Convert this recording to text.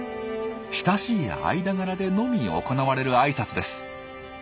親しい間柄でのみ行われるあいさつです。